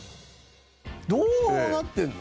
どうなってんの？